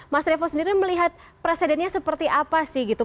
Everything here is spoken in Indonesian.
mas revo sendiri melihat presidennya seperti apa sih gitu